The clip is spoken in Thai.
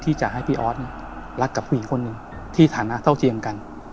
ที่จะให้พี่ออสรักกับผู้หญิงคนหนึ่งที่ฐานะเท่าเทียมกัน